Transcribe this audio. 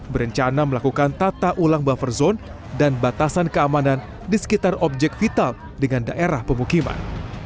berencana melakukan tata ulang buffer zone dan batasan keamanan di sekitar objek vital dengan daerah pemukiman